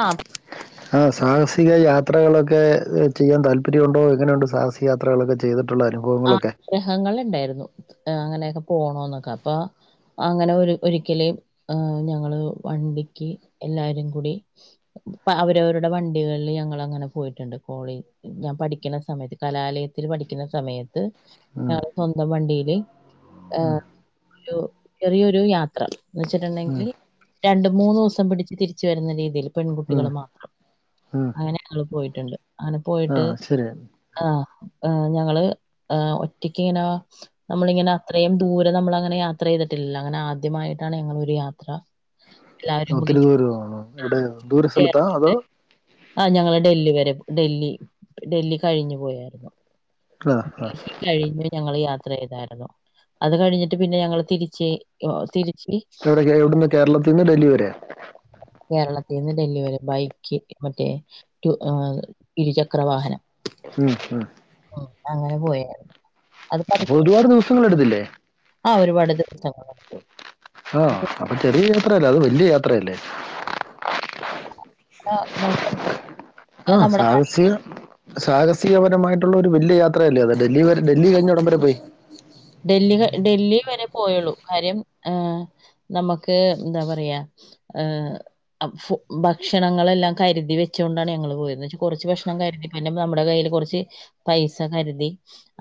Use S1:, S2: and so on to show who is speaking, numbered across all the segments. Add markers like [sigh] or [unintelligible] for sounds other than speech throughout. S1: ആഹ്
S2: ആഹ് സാഹസിക യാത്രകളൊക്കെ ചെയ്യാൻ താല്പര്യമുണ്ടോ? എങ്ങനെയുണ്ട് സാഹസിക യാത്രകളൊക്കെ ചെയ്തിട്ടുള്ള [unintelligible] [unintelligible]
S1: [unintelligible] ഇണ്ടായിരുന്നു അങ്ങനെയൊക്കെ പോണുന്നൊക്കെ അപ്പ അങ്ങനെ ഒരു ഒരിക്കല് ഏഹ് ഞങ്ങള് വണ്ടിക്ക് എല്ലാരും കൂടി പ അവരവരുടെ വണ്ടികളില് ഞങ്ങള് അങ്ങനെ പോയിട്ടുണ്ട് കോളി ഞാൻ പഠിക്കണ സമയത്ത് കലാലയത്തിൽ പഠിക്കുന്ന സമയ [unintelligible] ഞങ്ങള് സ്വന്തം വണ്ടിയില് ഏഹ് ഒരു ചെറിയൊരു യാത്ര എന്ന്
S2: ഉം.
S1: വെച്ചിട്ടുണ്ടെങ്കില് രണ്ട് മൂന്ന് ദിവസം പിടിച്ച് തിരിച്ചു വരുന്ന രീതിയില്
S2: ഉം.
S1: പെൺകുട്ടികള് മാത്രം.
S2: ഉം.
S1: അങ്ങനെ ഞങ്ങള് പോയിട്ടുണ്ട്. അങ്ങനെ
S2: ആ
S1: പോയിട്ട്
S2: ശരി.
S1: ആഹ് ആഹ് ഞങ്ങള് ആഹ് ഒറ്റക്ക് ഇങ്ങന നമ്മളിങ്ങനെ അത്രയും ദൂരെ നമ്മള് അങ്ങനെ യാത്ര ചെയ്തിട്ടില്ല. അങ്ങനെ ആദ്യമായിട്ടാണ് ഞങ്ങളൊരു യാത്ര എല്ലാവരും കൂടി
S2: ഒത്തിരി ദൂരം ആണോ എവിടെ ദൂര സ്ഥലത്താ അതോ
S1: ചേർന്നിട്ട് ആഹ് ഞങ്ങള് ഡൽഹി വരെ ഡൽഹി ഡൽഹി കഴിഞ്ഞു പോയായിരുന്നു ഡൽഹി
S2: [unintelligible]
S1: കഴിഞ്ഞ് ഞങ്ങള് യാത്ര ചെയ്തായിരുന്നു. അത് കഴിഞ്ഞിട്ട് പിന്നെ ഞങ്ങള് തിരിച്ച് തിരിച്ച്
S2: [unintelligible] എവിടെക്കേ ആയി എവിടന്ന് കേരളത്തിൽ നിന്ന് ഡൽഹി വരെയാ
S1: കേരളത്തീന്ന് ഡൽഹി വരെ ബൈക്ക് മറ്റേ ടു ഏഹ് ഇരുചക്ര വാഹനം
S2: മ്ഹ് മ്ഹ്
S1: ഉം അങ്ങനെ പോയായിരുന്നു അത്
S2: അപ്പൊ
S1: പഠിക്ക
S2: ഒരുപാട് ദിവസങ്ങള് എടുത്തില്ലേ
S1: ആഹ് ഒരുപാട് ദിവസങ്ങള് [unintelligible]
S2: ആഹ് അപ്പൊ ചെറിയ യാത്രയല്ല. അത് വല്യ യാത്രയല്ലേ
S1: [unintelligible]
S2: ആ
S1: അത് നമ്മുടെ [unintelligible]
S2: സാഹസിക പരമായിട്ടുള്ള ഒരു വല്യ യാത്രയല്ലേ അത് ഡൽഹി വരെ ഡൽഹി കഴിഞ്ഞു എവിടെം വരെ പോയി
S1: ഡൽഹി ക ഡൽഹി വരെ പോയുള്ളൂ കാര്യം ആഹ് നമ്മക്ക് എന്താ പറയാ ഏഹ് [unintelligible] ഭക്ഷണങ്ങളെല്ലാം കരുതി വെച്ചുകൊണ്ടാണ് ഞങ്ങള് പോയത്. എന്നു വെച്ചു കൊറച്ച് ഭക്ഷണം കരുതി പിന്നെ നമ്മുടെ കയ്യിൽ കൊറച്ച് പൈസ കരുതി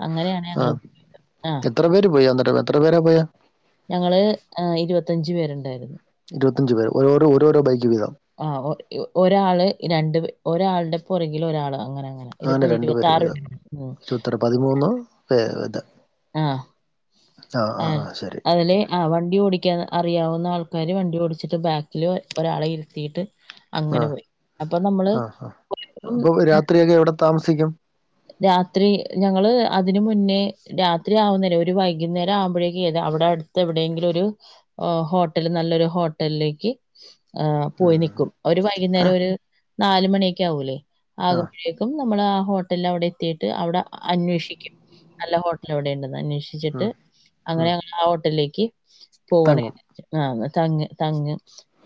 S1: അങ്ങനെയാണ് ഞങ്ങള്
S2: ആഹ്
S1: ആഹ്
S2: എത്ര പേര് പോയി അന്നിട്ട് എത്ര പേരാ പോയാ
S1: ഞങ്ങള് ഏഹ് ഇരുപത്തഞ്ചു പേരുണ്ടായിരുന്നു.
S2: ഇരുപത്തഞ്ച് പേർ ഓരോരോ ഓരോരോ ബൈക്ക് വീതം
S1: ആഹ് ഒരാള് രണ്ട് ഒരാളുടെ പുറകില് ഒരാള് അങ്ങന അങ്ങന
S2: അങ്ങനെ
S1: ഇരുപത്തഞ്ച്
S2: രണ്ടു പേര്
S1: ഇരുപത്തിആറ്
S2: വീതം
S1: [unintelligible]
S2: ഇരുപത്താറ് പതിമൂന്ന് പേർ വിതം
S1: ആഹ് ആഹ്
S2: ശരി
S1: അതില് ആഹ് വണ്ടി ഓടിക്കാൻ അറിയാവുന്ന ആൾക്കാര് വണ്ടി ഓടിച്ചിട്ട് ബാക്കില് ഒരാളെ ഇരുത്തിയിട്ട്
S2: ആ
S1: അങ്ങനെ പോയി അപ്പൊ നമ്മള്
S2: ആ ആ
S1: [unintelligible]
S2: [unintelligible] എവിടെ താമസിക്കും.
S1: രാത്രി ഞങ്ങള് അതിന് മുന്നേ രാത്രി ആവുന്നേരേ ഒരു വൈകുന്നേരം ആവുമ്പോഴേക്കും ഏത് അവിടെ അടു [unintelligible] എവിടേങ്കിലും ഒരു ഹോട്ടൽ നല്ലൊരു ഹോട്ടലിലേക്ക് ആഹ് പോയി നിക്കും ഒരു
S2: ഏ
S1: വൈകുന്നേരം ഒരു നാല് മണിയൊക്കെ ആവൂലേ
S2: ആ
S1: ആകുമ്പഴേ [unintelligible] നമ്മള് ആ ഹോട്ടലിൽ അവിടെ എത്തീട്ട് അവിടെ അന്വേഷിക്കും നല്ല ഹോട്ടൽ എവിടെ ഉണ്ടെന്ന് അന്വേഷി ചിട്ട്
S2: ഉം
S1: അങ്ങനെ
S2: ഉം
S1: ഞങ്ങൾ ആ ഹോട്ടലിലേക്ക് പോവാണ്
S2: തങ്ങും
S1: ചൈതെ ആഹ തങ്ങ് തങ്ങ്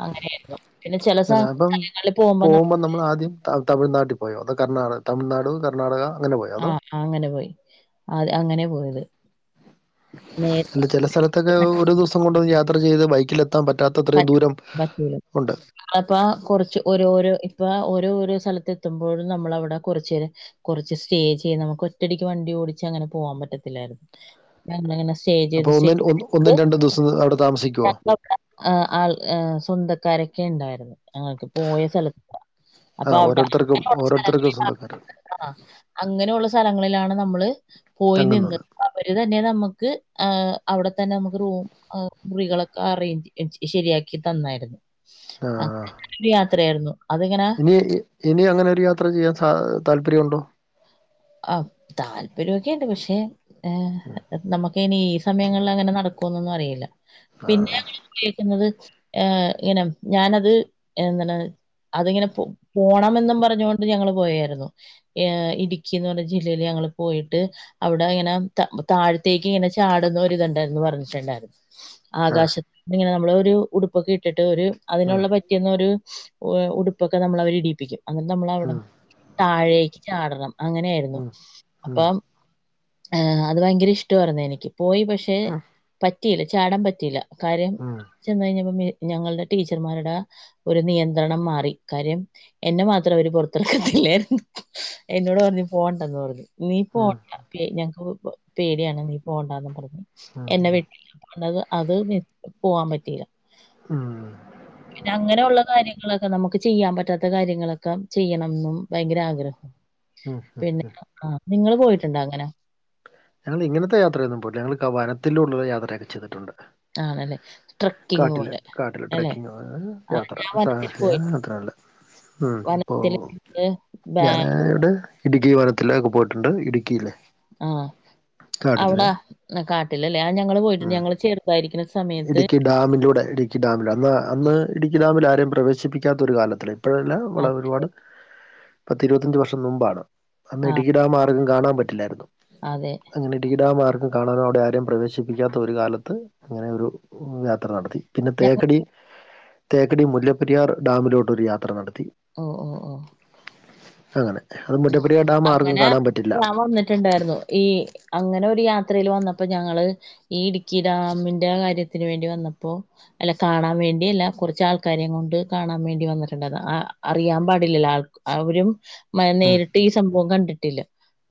S1: അങ്ങനെയിരുന്നു പിന്നെ ചില സ്ഥല സ്ഥലങ്ങളിൽ പോകുമ്പോ ഞമ്മ
S2: മുമ്പ് നമ്മൾ ആദ്യം ത തമിഴ്നാട്ടിൽ പോയോ അതോ കർണാടക തമിഴ്നാടോ കർണാടക അങ്ങനെ പോയോ അതോ
S1: ആഹ് അങ്ങനെ പോയി അതെ അങ്ങനെ പോയത്
S2: ഇണ്ട്
S1: നേരിട്ട്
S2: ചില സ്ഥലത്തൊക്കെ ഒരു ദിവസം കൊണ്ട് യാത്ര ചെയ്ത് ബൈക്കിൽ എത്താൻ പറ്റാ അത്രയും ദൂരം ഉണ്ട്
S1: ങ്ങളപ്പോ കുറച്ച് ഓരോരോ ഇപ്പൊ ഓരോരോ സ്ഥലത്ത് എത്തുമ്പോഴും നമ്മള അവിടെ കുറചേരം കുറച്ച് സ്റ്റേ ചെയ്യ് നമുക്ക് ഒറ്റടിക്ക് വണ്ടി ഓടിച്ച് അങ്ങനെ പോവാൻ പറ്റത്തില്ലായിരുന്നു ഞങ്ങൾ അങ്ങനെ സ്റ്റേ
S2: അപ്പൊ
S1: ചെയ്ത്
S2: ഒന്നും ഒന്ന് ഒന്നും രണ്ടും ദിവസം അവിടെ താമസിക്കുവോ
S1: [unintelligible] ഹ് ആൾ ഹ് സ്വന്തക്കാരൊക്കെ ഉണ്ടായിരുന്നു ങ്ങൾക്ക് പോയ സ്ഥലത്ത്
S2: ആ
S1: അപ്പൊ അവിടെ
S2: ഓരോരുത്തർക്കും ഓരോരുത്തർക്കും സ്വന്തക്കാർ
S1: [unintelligible] ആഹ് അങ്ങനെയുള്ള സ്ഥലങ്ങളിലാണ് നമ്മള് പോയി
S2: തങ്ങുന്നത്
S1: നിന്നത് അവര് തന്നെ നമ്മക്ക് ഹ് അവിടെ തന്നെ നമുക്ക് റൂ മുറികളൊക്കെ അറേഞ്ച് ശരിയാക്കി തന്നായിരുന്നു
S2: ആ ആ
S1: അങ്ങനൊരു യാത്രയായിരുന്നു അതിങ്ങനെ
S2: ഇനി ഇനി അങ്ങനെ ഒരു യാത്ര ചെയ്യാൻ സാ താല്പര്യം ഉണ്ടോ
S1: അ താല്പര്യ ഒക്കെണ്ട് പക്ഷെ ഹ് നമുക്ക് ഇനീ സമയങ്ങളിൽ അങ്ങനെ നടകോന്നൊന്നും അറിയില്ല പിന്നെ കേൾകുന്നത് ഏ ഇനം ഞാനത് എന്താണ് അതിങ്ങനെ പൊ പോണമെന്നും പറഞ്ഞുകൊണ്ട് ഞങ്ങൾ പോയായിരുന്നു ഹ് ഇടുകി ക്കി പറഞ്ഞ ജില്ലയിൽ ഞങ്ങള് പോയിട്ട് അവിടെ ഇങ്ങനെ ത താഴത്തേക്ക് ഇങ്ങനെ ചാടുന്നു ഒരിത് ഇതുണ്ടാ പറഞ്ഞിട്ടുണ്ടായിരുന്നു
S2: ആഹ്
S1: ആകാശത്തി ഇങ്ങനെ നമ്മള ഒരു ഉടുപ്പൊക്കെ ഇട്ടിട്ട് ഒരു
S2: ഉം
S1: അതിനുള്ള പറ്റ റ്റുന്നൊരു ഹ് ഉടുപ്പൊക്കെ നമ്മളെ അവരിടിപ്പിക്കും അങ്ങനെ നമ്മളവിട
S2: ഉം
S1: താഴേക്ക് ചാടണം അങ്ങനെയായിരുന്നു
S2: ഉം ഉം
S1: അപ്പം ആ അത് ഭയങ്കര ഇഷ്ടായിരുന്നു എനിക്ക് പോയി പക്ഷെ പറ്റിയില്ല ചാടാൻ പറ്റിയില്ല കാര്യം
S2: ഉം
S1: ചെന്ന കഴിഞ്ഞപ്പോ ഞങ്ങളുടെ ടീച്ചർമാരുടെ ഒരു നിയന്ത്രണം മാറി കാര്യം എന്നെ മാത്രം അവര് പുറത്തിറക്കത്തില്ലായിരുന്നു എന്നോട് പറഞ്ഞു പോണ്ടെന്ന് പറഞ്ഞു നീ
S2: ഉം
S1: പോണ്ട പെ ഞങ്ങൾക്ക് പേടിയാണ് നീ പോണ്ട പറഞ്ഞു
S2: ഉം ഉം
S1: എന്റെ വിട്ടില്ല അത് പോവാൻ പറ്റിയില്ല പിന്നെ അങ്ങനെയുള്ള കാര്യങ്ങള് നമുക്ക് ചെയ്യാൻ പറ്റാത്ത കാര്യങ്ങളൊക്കെ ചെയ്യണംന്നും ഭയങ്കര ആഗ്രഹം
S2: [unintelligible]
S1: ആഹ നിങ്ങള് പോയിട്ടുണ്ടോ അങ്ങനെ
S2: ഞങ്ങൾ ഇങ്ങനത്തെ യാത്ര പോയിട്ടില്ല ഞങ്ങൾ വനത്തിലുള്ള യാത്രയൊക്കെ ചെയ്തിട്ടുണ്ട്
S1: ആണല്ലേ. ട്രക്കിംഗ്
S2: കാട്ടില്
S1: പോലെ
S2: കാട്ടില്
S1: അല്ലേ?
S2: ട്രക്കിങ്
S1: ആ
S2: യാത്ര
S1: ഞാൻ
S2: സഹ
S1: വനത്തിൽ പോയിട്ടുണ്ട്.
S2: യാത്ര അല്ല ഉം അപ്പൊ
S1: വനത്തില് ഞങ്ങള് ബാ
S2: ഞാന ഇവിടെ ഇടുക്കി വനത്തിലൊക്കെ പോയിട്ടുണ്ട് ഇടുക്കിയിലെ
S1: ആഹ
S2: കാടില്ലേ
S1: ആ കാട്ടിലല്ലേ ആ ഞങ്ങള് പോയിട്ടുണ്ട് ഞങ്ങള് ചെറുതായിരിക്കണ സ
S2: ഇടുക്കി ഡാമിലൂടെ ഇടുക്കി ഡാമില അന്ന് അന്ന് ഇടുക്കി ഡാമിൽ ആരെയും പ്രവേശിപ്പിക്കാത്ത ഒരു കാലത്തില് പ്പോഴല്ല വള
S1: അത്
S2: ഒരുപാട് പത്തി ഇരുപത്തിഞ്ച് വർഷം മുമ്പാണ് അന്ന്
S1: ആ
S2: ഇടുക്കിൽ ഡാം ആർക്കും കാണാൻ പറ്റില്ലായിരുന്നു
S1: അതെ.
S2: അങ്ങനെ ടി ഡാം ആർക്കും കാണാ അവിടെ ആരെയും പ്രദേശിപ്പിക്കാത്ത ഒരു കാലത്ത് അങ്ങനെ ഒരു യാത്ര നടത്തി പിന്നെ
S1: ഞങ്ങ
S2: തേക്കടി തേക്കടി മുല്ലപ്പെരിയാർ ഡാമിലോട്ടൊരു യാത്ര നടത്തി
S1: ഒ ഒ ഓ
S2: അങ്ങനെ അത് മുല്ലപെരിയാർ ഡാം ആർക്കും കാണാൻ പറ്റില്ല
S1: പ്പ വന്നിട്ടുണ്ടായിരുന്നു ഈ അങ്ങനെ ഒരു യാത്രയില് വന്നപ്പ ഞങ്ങള് ഈ ഇടുക്കി ഡാമിന്റെ കാര്യത്തിന് വേണ്ടി വന്നപ്പോ അല്ല കാണാൻ വേണ്ടി അല്ല. കുറച്ച് ആൾക്കാരെയും കൊണ്ട് കാണാൻ വേണ്ടി വന്നിട്ടുണ്ടായിരുന്നു. അ അറിയാൻ പാടില്ലല്ലോ ആൾ അവരും മ
S2: ഉം
S1: നേരിട്ട് ഈ സംഭവം കണ്ടിട്ടില്ല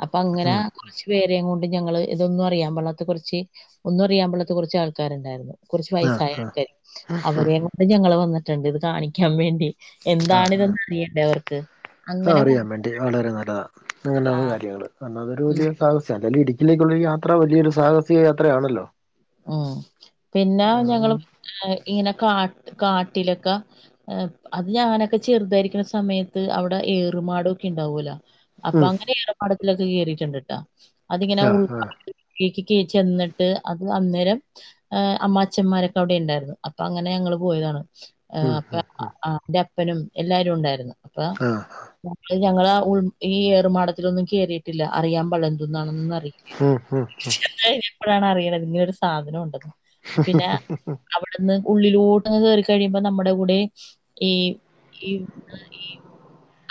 S1: അപ്പൊ അങ്ങന
S2: ഉം
S1: കുറച്ച് പേരെയ കൊണ്ട് ഞങ്ങള് ഇതൊന്നും അറിയാൻപള്ളാത്തെ കുറച്ച് ഒന്നറിയൻ പള്ളാത്തെ കുറച്ച് ആൾക്കാരുണ്ടായിരുന്നു കുറച്ച്
S2: ആ ആ
S1: വയസായട്ട അവരെയ കൂടി ഞങ്ങൾ വന്നിട്ടുണ്ട് ഇത് കാണിക്കാൻ വേണ്ടി
S2: ആ ആ
S1: എന്താണിതന്ന അറിയണ്ടേ അവർക്ക്
S2: ആ
S1: അങ്ങനെ
S2: അറിയൻ
S1: കൊണ്ട്
S2: വേണ്ടി വളരെ നല്ലതാണ്
S1: ആ.
S2: അങ്ങനെയാണ് കാര്യങ്ങൾ അ അതൊരു
S1: ഉം.
S2: വലിയ സാഹസ്യല്ല ഇ ഇതിലേക്കുള്ള യാത്ര വലിയൊരു സാഹസിക യാത്രയാ ആണല്ലോ
S1: ഉ പിന്നെ ഞങ്ങള് ഇങ്ങനെ കാ കാട്ടിലൊക്കെ അത് ഞാനൊക്കെ ചെറുതായിരിക്കുന്ന സമയത്ത് അവിടെ ഏറുമാടൊക്കെ ഉണ്ടാവൂല അപ്പൊ
S2: ഉം
S1: അങ്ങനെ ഏറെമാടത്തിലൊക്കെ കേയറിയിട്ടുണ്ട്ട്ടാ അതിങ്ങനെ
S2: ആ
S1: ഉൾ
S2: ആ
S1: കീക്കക ചെന്നിട്ട് അ അന്നേരം അമ്മാച്ചന്മാരൊക്കെ അവിടെ ഉണ്ടായിരുന്നു അപ്പൊ അങ്ങനെ ഞങ്ങള്ൾ പോയതാണ്
S2: ഉം
S1: അപ്പൊ
S2: ഉം ഉം
S1: എന്റെ അപ്പനും എല്ലാരും ഉണ്ടായിരുന്നു അപ്പൊ
S2: ആ
S1: ഞങ്ങള ആ ഉ ഈ ഏറുമാടത്തിലൊന്നും ക കേറിയിട്ടില്ല അറിയാൻ പാടില്ല എന്തൊന്നാണ അറാം
S2: ഉം ഉം
S1: കഴിഞ്ഞ എപ്പോഴാണ് അറിയണത് ഇങ്ങനെരു സാധനം ഉണ്ടെന്ന് പിന്നെ അവിടെന്ന് ഉള്ളിലോട്ടന്ന് കേയറി കഴിയുമ്പോ നമ്മുടെ കൂടെ ഈ ഈ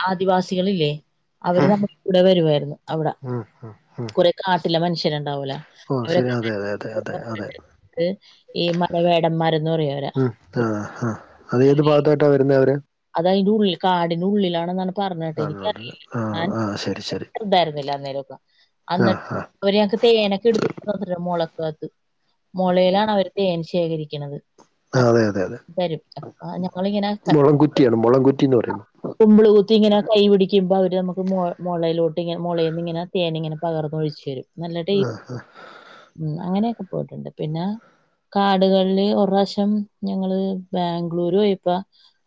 S1: ആദിവാസികളില്ലേ അവര് നമ്മക്ക് ഇവിടെ വരുയിരുന്നു അവിടെ
S2: ഉം ഉം ഉം
S1: കുറെേ കാട്ടില്ല മനുഷ്യർണ്ടാവൂല
S2: ഓ ശരി
S1: അവരൊക്കെ
S2: അതെ അതെ അതെ അതെ അതെ
S1: ഈ മലവേടന്മാരന്ന് പറയാ
S2: ഉം ആ ആഹ് അത ഏത് ഭാഗത്തായിട്ടാ വരുന്നേ അവര്
S1: അത അതിന്റെ ഉള്ളിൽ കാടിനുള്ളിലാണെന്നാണ് പറഞ്ഞ കേട്ടെ
S2: കണ്ണൂര്
S1: എനിക്കറിയില്ല
S2: ആഹ്
S1: ഞാൻ
S2: ആഹ് ശരി ശരി
S1: ഇണ്ടായിരുന്നില്ല അന്നേരൊക്കെ
S2: ആഹ്
S1: അവര് ഞങ്ങൾക്ക് തേനൊക്കെ എടുത്ത് മുളക്കകത് മുളയിലാണ് അവർ തേൻ ശേഖരിക്കുന്നത്
S2: അതെ അതെ അതെ
S1: ഞങ്ങളിങ്ങനെ
S2: മുളകുറ്റിയാണ് മുളൻകുറ്റിന്ന് പറയുമ്പോ
S1: കുമ്പൾ കുത്തി ഇങ്ങനെ കൈ പിടിക്കുമ്പോ അവര് നമുക്ക് മുളയിലോട്ട് ഇങ്ങ മുളയി നിന്ന് ഇങ്ങനെ തേനി ഇങ്ങനെ പകർന്ന് ഒഴിച്ചു വരും നല്ല
S2: ആഹ്
S1: ടേസ്റ്റ് ഉ അങ്ങനെയൊക്കെ പോയിട്ടുണ്ട് പിന്നെ കാർഡുകളില് ഒരാ പ്രാവശ്യം ഞങ്ങള് ബാങ്ക് ബംഗ്ളൂരു ആയപ്പ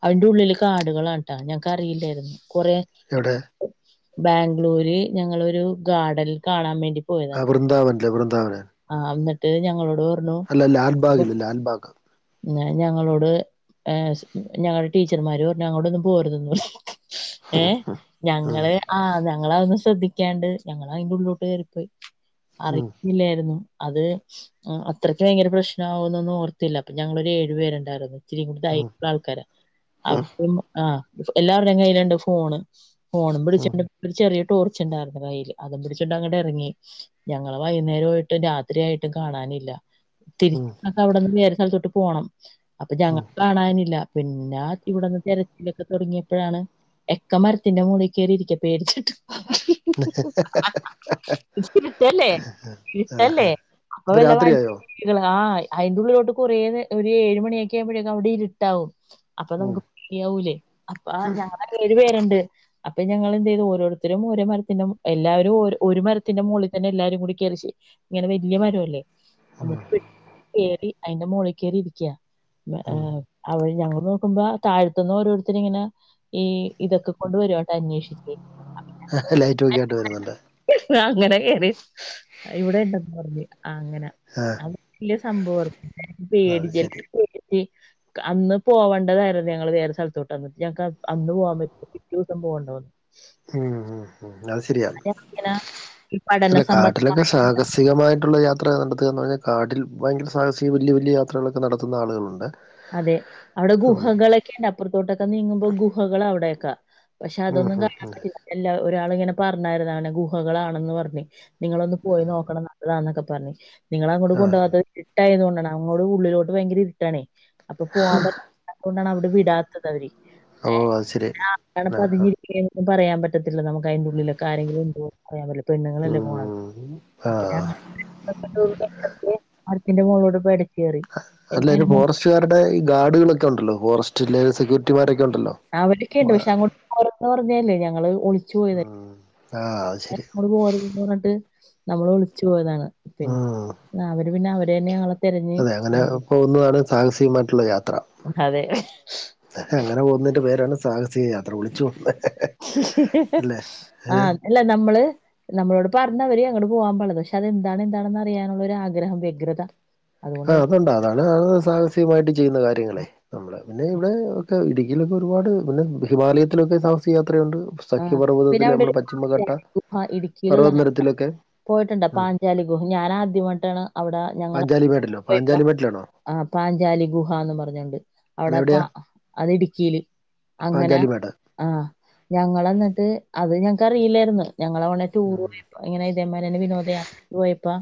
S1: അവറെ ഉള്ളിലേക്ക് കാടുകളാണ്ടാ ഞങ്ങക്ക് അറിയില്ലായിരുന്നു കൊറേ
S2: എവിടെ
S1: ബാംഗ്ലൂര് ഞങ്ങളരു ഗാർഡനിൽ കാണാൻ വേണ്ടി
S2: ആ വൃന്ദാവനല്ലേ വൃന്ദാവനൻ
S1: ആഹ എന്നിട്ട് ഞങ്ങളോട് പറഞ്ഞു
S2: ലാൽബാഗില് ലാൽബാഗ്
S1: ഞങ്ങളോട് ഞങ്ങളുടെ ടീച്ചർമാരും അങ്ങോട ഒന്നും പോകരുതന്നു ഏഹ
S2: ഉം
S1: ഞങ്ങള് ആഹ് ഞങ്ങളതൊന്നന്ന് ശ്രദ്ധിക്കാണ്ട് ഞങ്ങ അതിന്റെ ഉള്ളിലോട്ട് കേയറി പോയി അറി
S2: ഉം
S1: ഇല്ലായിരുന്നു അത് അത്രയ്ക്ക് ഭയങ്കര പ്രശ്നമാവും എന്നൊന്നും ഓർത്തില്ല അപ്പൊ ഞങ്ങളൊ ഒരു ഏഴു പേരുണ്ടായിരുന്നു ഇത്തിരി
S2: ഉം
S1: കൂടിധൈര്യംഉ ള്ള ആൾക്കാര അവ ആ എല്ലാവരുടെയും കയ്യിലുണ്ട് ഫോണ് ഫോണും
S2: ഉം
S1: പിടിച്ചിണ്ട് ചെറിയ ടോർച്ചുണ്ടായിരരുന്നു കയ്യി ൽ അതും പിടിച്ചിട്ടണ്ട് അങ്ങോട്ട ഇറങ്ങി ഞങ്ങള് വൈകുന്നേരമായിട്ട് രാത്രി ആയിട്ടും കാണാനില്ല
S2: ഉം
S1: തിരിച്ച അവിടെന്ന് വേറെ സ്ഥലത്തോട്ട് പോകണം അപ്പൊ
S2: ഉം
S1: ഞങ്ങക്ക് കാണാനില്ല പിന്നെ ആ ഇവിടെന്ന് തിരച്ചിലൊക്കെ തുടങ്ങിയപ്പോഴാണ് എക്ക മരത്തിന്റെ മുക ളിൽ കേയറിയിരിക്ക പേടിച്ചിട്ട്
S2: [unintelligible]
S1: ഇട്ടല്ലേ ഇട്ടല്ലേ അപ്പോ
S2: ഇപ്പൊ
S1: വല്ല വണ്ടി
S2: രാത്രിയായോ
S1: ആ അയിൻ്റെ ഉള്ളിലോട്ട് കുറേ ന്ന ഒരു ഏഴ് മണിയൊക്കാവുമ്പോഴെ അവിടെ ഇരുട്ടാവും അപ്പൊ
S2: ഉം
S1: നമുക്ക് പേടിയാവൂലേ അപ്പ ഞങ്ങള [unintelligible] പേരണ്ട് അപ്പൊ ഞങ്ങൾ എന്തെയ്തു ഓരോരുത്തരും ഓരോ മരത്തിന്റെ എല്ലാവരും ഓരൊ ഒരു മരത്തിന്റെ മോളിൽ തന്നെ എല്ലാരും കൂടി കേറി [unintelligible] ഇങ്ങനെ വല്ല്യ മരൊല്ലേ എന്നിട്ട് കറി അയിന്റെ മോളിൽ കേറി ഇരിക്ക്യാ
S2: ഉം
S1: [unintelligible] അവ ഞങ്ങൾ നോക്കുമ്പോ താഴ്ത്ത്ന്ന് ഓരോരുത്തര്ങ്ങനെ ഏ ഇതൊക്കെ കൊണ്ടുവരോട്ടെ അന്വേഷി [unintelligible]
S2: [unintelligible] ലൈറ്റ് വോക്കിയായിട്ട് വരുന്നുണ്ട്
S1: അങ്ങനെ കെയറി ഇവിടെ ഇണ്ടെന്ന് പറഞ്ഞ് ആ അങ്ങനെ
S2: ആഹ്
S1: അത് വല്ല്യ സംഭവ [unintelligible]
S2: അത്
S1: പേടി
S2: ശരി
S1: [unintelligible] [unintelligible] അന്ന് പോവണ്ടതായിരുന്നു ഞങ്ങള് വേറെ സ്ഥലത്തോട്ട്. എന്നിട്ട് ഞങ്ങക്ക് അ അന്ന് പോവാൻ പ [unintelligible] പിറ്റേസം പോവണ്ടോന്ന്.
S2: ആഹ് ആഹ് ഉ അത് ശരിയാ
S1: ഞങ്ങളിങ്ങനെ ഈ പഠന
S2: അല്ല
S1: സമ്പ
S2: കാട്ടിലൊക്കെ സാഹസികമായിട്ടുള്ളൊ യാ [unintelligible] പറഞ്ഞാൽ കാട്ടിൽ ഭയങ്കര സാഹസിക വലിയ വലിയ യാത്രകളൊക്കെ നടത്തുന്ന ആളുകളുണ്ട്.
S1: അതെ അവിടെ
S2: ഉം
S1: ഗുഹകളക്കെയണ്ട് അപ്പുറത്തോട്ടൊക്കെ നീങ്ങുമ്പോ ഗുഹകൾ അവിടെയൊക്കെ? പക്ഷെ
S2: ഉം
S1: അതൊന്നും
S2: ഉം
S1: കാണാൻ
S2: ഉം
S1: പറ്റില്ല എല്ല ഒരാള് ഇങ്ങനെ പറഞ്ഞായ്രുന് ഗുഹകളാണെന്ന് പറഞ്ഞ്. നിങ്ങളൊന്ന് പോയി നോക്കണം. നല്ലതാന്നൊക്കെ പറഞ്ഞഞ് നിങ്ങളെ അങ്ങോട്ട്
S2: ആ
S1: കൊണ്ടോവാതെ ഇരുട്ടായതു കൊണ്ടാണ് അങ്ങോട് ഉള്ളിലോട്ട് ഭയങ്കര ഇരുട്ടാണേ അപ്പൊ പോവാൻ പറ്റാതൊണ്ടാണ് അവ്ടെ വിടാത്തത് അവര്
S2: ഓ
S1: ഏ
S2: അത് ശരി
S1: ആ
S2: ആ ആ
S1: പതിഞ്ഞി ഇരിക്ക എ പറയാൻ പറ്റത്തില്ല നമക്ക് അയിന്റെ ഉള്ളിലൊക്കെ ആരെങ്കിലും ഉണ്ടോ [unintelligible] ല്ല പെണ്ണുങ്ങളല്ലേ പോണത്
S2: ഉം ആ
S1: അപ്പൊ ഞാ [unintelligible] [unintelligible]
S2: അല്ല അയിന് ഫോറസ്റ്റാരുടെ ഈ ഗാർഡുകളൊക്കെ ഉണ്ടല്ലോ ഫോറസ്റ്റ്ലെ സെക്യൂരിറ്റിമാരൊക്കെ ഉണ്ടല്ലോ
S1: അവര്ക്കെണ്ട്
S2: വ-
S1: പക്ഷെ അങ്ങോട്ട് [unintelligible] ഞങ്ങള് ഒളി [unintelligible]
S2: ഉം ആ അത് ശരി
S1: പറഞ്ഞിട്ട് നമ്മള് ഒളിച്ചു പോയതാണ് പി
S2: ഉം
S1: അവര് പിന്നെ അവരന്നെ [unintelligible]
S2: അതെ അങ്ങനെ പോകുന്നതാണ് സാഹസികമായിട്ടള്ള യാത്ര
S1: അതെ.
S2: അങ്ങനെ പോകുന്നന്റെ പേരാണ് സാഹസിക യാത്ര ഒളിച്ചു
S1: ആഹ് അതല്ല നമ്മള് നമ്മളോട് പറഞ്ഞവര് അങ്ങോട്ട് പോകാൻ പള്ളത് പക്ഷെ അതെന്താണ് എന്താണെന്ന് അറിയാനുള്ള ഒരു ആഗ്രഹം വ്യഗ്രത അതുകൊണ്ട്
S2: ആ
S1: ഞങ്ങള്
S2: അതൊണ്ടാ
S1: പോയതാ.
S2: അതാണ് സാഹസികമായിട്ട് ചെയ്യുന്ന കാര്യങ്ങള് നമ്മള് പിന്നെ ഇവിടെ ഒക്കെ ഇടുക്കിയിലൊക്കെ ഒരുപാട് പിന്നെ ഹിമാലയത്തിലൊക്കെ സാഹസിക യാത്രയുണ്ട്
S1: ആ. പിന്നെ
S2: സഖ്യപർവ്വതത്തിലെ
S1: അവിടെ ഒരു
S2: നമ്മടെ പശ്ചിമഘട്ട
S1: പാഞ്ചാലി
S2: പർവ്വതനരത്തിലൊക്കെ
S1: പോയിട്ടുണ്ട് പാഞ്ചാലി ഗുഹ ഞാനാദ്യമായിട്ടാണ് അവിടെ ഞങ്ങള്
S2: കാലി [unintelligible]
S1: പോയപ്പോ
S2: പഞ്ചാലി [unintelligible] ലാണോ
S1: ആ പാഞ്ചാലി ഗുഹാന്ന് പറഞ്ഞോണ്ട് അവിടെ പ
S2: അതെവിടെയാ
S1: അത് ഇട്ക്കിയില്
S2: പഞ്ചാലി മട
S1: ആ ഞങ്ങളന്നിട്ട് അത് ഞങ്ങക്ക്റിയില്ലായിര്ന്ന് ഞങ്ങളവണ ടൂർ
S2: ഉം
S1: പോ [unintelligible] ഇങ്ങനെ ഇതേമാരന്നെ വിനോദയാത്രക്ക് പോയപ്പൊ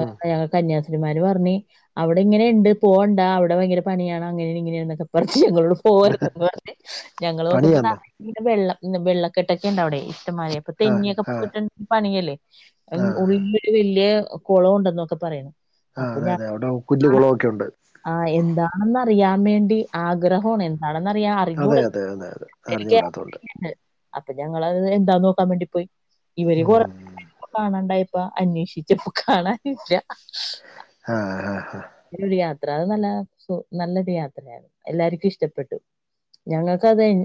S2: ഉം
S1: കന്യാസ്രി മാര് പറഞ്ഞ് അവിടെ ഇങ്ങനെയണ്ട് പോവണ്ട അവിടെ ഭയങ്കര പണിയാണ് അങ്ങനെ ഇങ്ങനെയാണ് ന്നൊക്കെ പറഞ്ഞ് [unintelligible] പോവര്തന്ന് പറഞ്ഞ് ഞങ്ങൾ നോക്കുമ്പോ
S2: പണിയാന്നോ
S1: [unintelligible] വെള്ളം വെള്ളക്കെട്ടൊക്കെണ്ടവിടെ ഇഷ്ടം [unintelligible] ഇപ്പൊ
S2: ആ
S1: തെന്നിയൊക്കെ
S2: ആ
S1: പോയിട്ടുണ്ടെങ്കിൽ പണിയല്ലേ
S2: ആ ആ
S1: ഉള്ളിൽ ഒരു വലിയ കുളമുണ്ടെന്നൊക്കെ പറയണ്
S2: ആ അതെ അതെ അവിടെ വലിയ കുളമൊക്കെയുണ്ട്
S1: ആ എന്താണെന്നറിയാൻ വേണ്ടി ആഗ്രഹമാണ് എന്താണെന്നറിയാ
S2: അതെ അതെ അതെ അതെ അറിഞ്ഞുകൂടാത്തതുകൊണ്ട്
S1: [unintelligible] അപ്പ ഞങ്ങളത് എന്താ നോക്കാൻ വേണ്ടി പോയി ഇവര് കൊറ്
S2: ഉം
S1: കാണാണ്ടായപ്പൊ അന്വേഷിച്ചപ്പോ കാണാനില്ല
S2: ആ ആ ആ
S1: [unintelligible] രു യാത്ര അത് നല്ല സു നല്ലൊരു യാത്രയാണ് എല്ലാര്ക്കും ഇഷ്ടപ്പെട്ടു ഞങ്ങൾക്ക് അത് എൻ